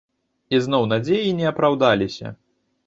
І зноў надзеі не апраўдаліся.